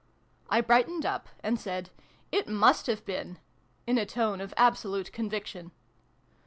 I brightened up, and said "It must have been !" in a tone of absolute conviction.